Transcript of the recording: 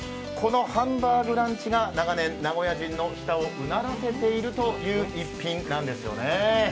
このハンバーグランチが長年名古屋人の舌をうならせているという１品なんです